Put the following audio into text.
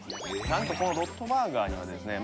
なんとこのロットバーガーにはですね